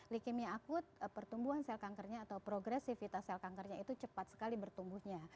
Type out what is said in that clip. leukemia akut pertumbuhan sel kankernya atau progresivitas sel kankernya itu cepat sekali bertumbuhnya